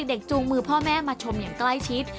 จูงมือพ่อแม่มาชมอย่างใกล้ชิด